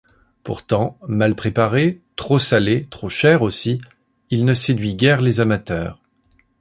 Pourtant, mal préparé, trop salé, trop cher aussi, il ne séduit guère les amateurs.